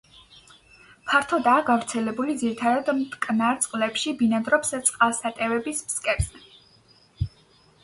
ფართოდაა გავრცელებული ძირითადად მტკნარ წყლებში, ბინადრობს წყალსატევების ფსკერზე.